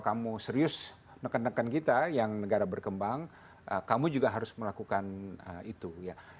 kamu serius nekan nekan kita yang negara berkembang kamu juga harus melakukan itu ya